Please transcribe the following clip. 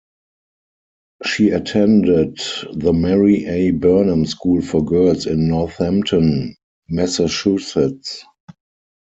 She attended the Mary A. Burnham School for Girls in Northampton, Massachusetts.